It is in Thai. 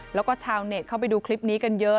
แล้วก็ชาวเน็ตเข้าไปดูคลิปนี้กันเยอะ